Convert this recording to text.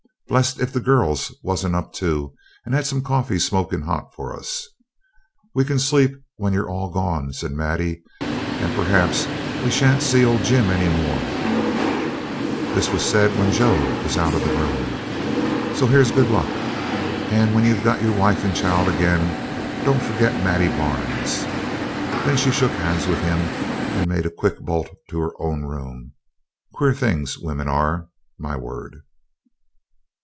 Blessed if the girls wasn't up too, and had some coffee smoking hot for us. 'We can sleep when you're all gone,' says Maddie, 'and perhaps we shan't see old Jim any more' (this was said when Joe was out of the room), 'so here's good luck; and when you've got your wife and child again don't forget Maddie Barnes.' Then she shook hands with him, and made a quick bolt to her own room. Queer things women are, my word.